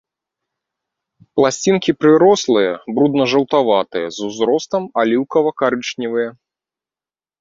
Пласцінкі прырослыя, брудна-жаўтаватыя, з узростам аліўкава-карычневыя.